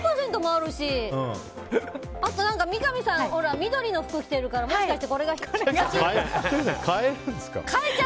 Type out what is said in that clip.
あと三上さん、緑の服着てるからもしかして、これが怪しい。